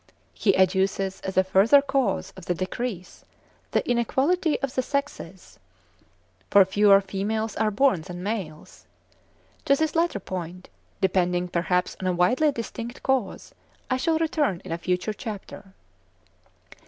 He adduces as a further cause of the decrease the inequality of the sexes; for fewer females are born than males. To this latter point, depending perhaps on a widely distinct cause, I shall return in a future chapter.